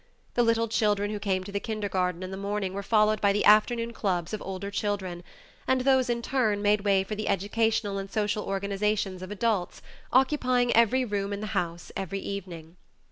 The little children who came to the kindergarten in the morning were followed by the afternoon clubs of older children, and those in turn made way for the educational and social organizations of adults, occupying every room in the house every evening.